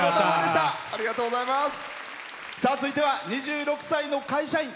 続いては２６歳の会社員。